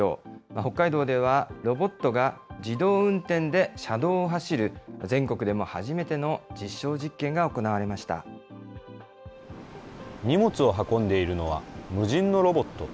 北海道では、ロボットが自動運転で車道を走る全国でも初めての実証実験が行わ荷物を運んでいるのは、無人のロボット。